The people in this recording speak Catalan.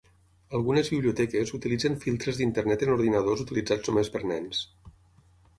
Algunes biblioteques utilitzen filtres d'Internet en ordinadors utilitzats només per nens.